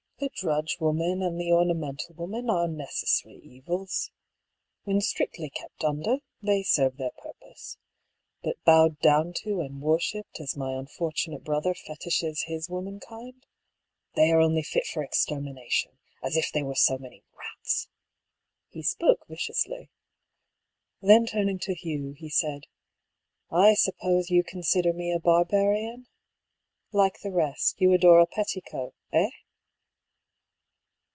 The drudge woman and the ornamental woman are necessary evils. When strictly kept under, they serve their purpose. But bowed down to and worshipped as my unfortunate brother fetishes his womankind, they are only fit for extermination — as if they were so many rats." He spoke viciously. Then turning to Hugh, he said :" I suppose 16 BR. PAULL'S THEORY. you consider me a barbarian ? Like the rest, you adore a petticoat — eh